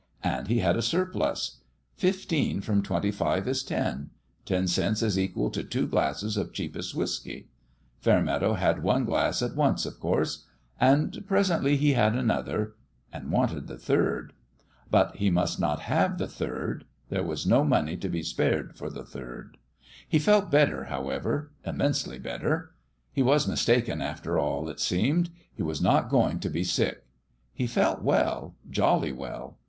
And he had a surplus. Fifteen from twenty five is ten. Ten cents is equal to two glasses of cheapest whiskey. Fair meadow had one glass at once, of course ; and presently he had another and wanted the third. 164 THEOLOGICAL TRAINING But he must not have the third : there was no money to be spared for the third. He felt better, however immensely better. He was mistaken, after all, it seemed ; he was not going to be sick. He felt well jolly well.